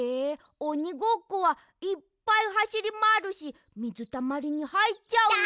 おにごっこはいっぱいはしりまわるしみずたまりにはいっちゃうんじゃ。